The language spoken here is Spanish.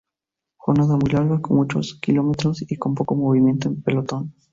Jornada muy larga, con mucho kilómetros y con poco movimiento en el pelotón.